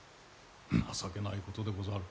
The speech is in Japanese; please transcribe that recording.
情けないことでござる。